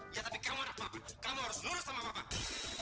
ya tapi kamu ada apa apaan kamu harus nurus sama papa